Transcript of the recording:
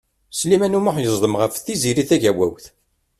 Sliman U Muḥ yeẓdem ɣef Tiziri Tagawawt.